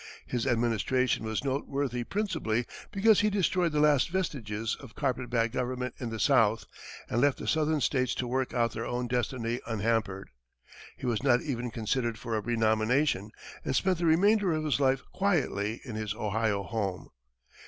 His administration was noteworthy principally because he destroyed the last vestiges of carpet bag government in the South, and left the southern states to work out their own destiny unhampered. He was not even considered for a renomination, and spent the remainder of his life quietly in his Ohio home.